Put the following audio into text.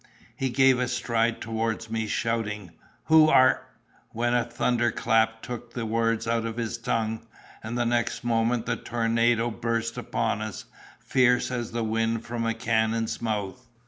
He gave a stride towards me, shouting, 'Who are—' when the thunder clap took the words out of his tongue, and the next moment the tornado burst upon us, fierce as the wind from a cannon's mouth.